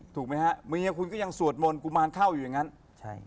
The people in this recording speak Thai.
ถูกไหมฮะเมียคุณก็ยังสวดมนต์กุมารเข้าอยู่อย่างนั้นใช่